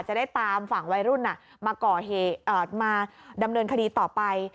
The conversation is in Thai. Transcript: จะได้ตามฝั่งวัยรุ่นมาก่อเหตุมาดำเนินคดีต่อไป